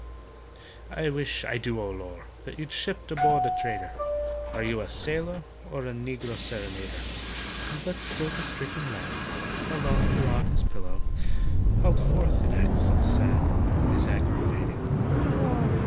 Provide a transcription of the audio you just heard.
"I wish, I do—O lor'!— You'd shipped aboard a trader: Are you a sailor or A negro serenader?" But still the stricken lad, Aloft or on his pillow, Howled forth in accents sad His aggravating "Willow!"